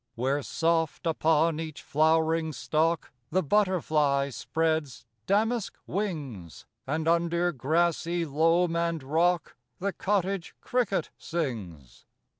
_ _Where soft upon each flowering stock The butterfly spreads damask wings; And under grassy loam and rock The cottage cricket sings.